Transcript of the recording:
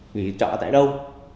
nghỉ chợ tại đâu